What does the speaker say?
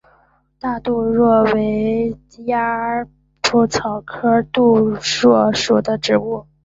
大杜若为鸭跖草科杜若属的植物。